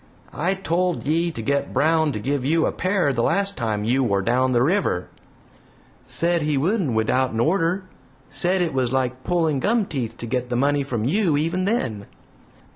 "I told ye to get Brown to give you a pair the last time you war down the river." "Said he wouldn't without'en order. Said it was like pulling gum teeth to get the money from you even then."